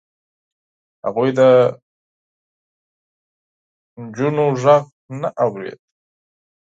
هغوی د نجونو غږ نه اورېد.